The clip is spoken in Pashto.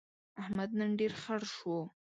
احمد نن ډېر خړ شو.